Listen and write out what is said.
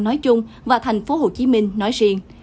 nói chung và tp hcm nói riêng